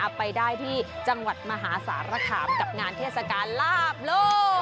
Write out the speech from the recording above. ไปได้ที่จังหวัดมหาสารคามกับงานเทศกาลลาบโลก